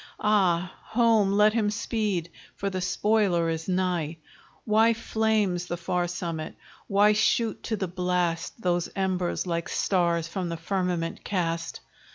Ah! home let him speed, for the spoiler is nigh. Why flames the far summit? Why shoot to the blast Those embers, like stars from the firmament cast?